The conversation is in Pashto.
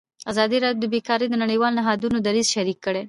ازادي راډیو د بیکاري د نړیوالو نهادونو دریځ شریک کړی.